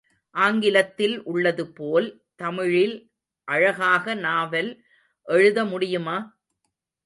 ஆங்கிலத்தில் உள்ளதுபோல் தமிழில் அழகாக நாவல் எழுத முடியுமா?